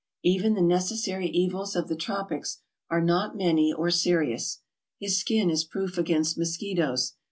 Even the necessary evils of the tropics are not many or serious. His skin is proof against mosquitoes.